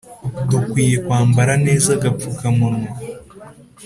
dukwiye kwambara neza agapfukamunwa